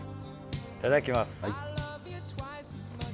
いただきます。